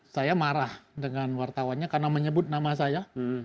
saya marah dengan wartawannya karena menyebut nama saya